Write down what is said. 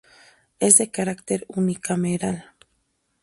Es de carácter unicameral.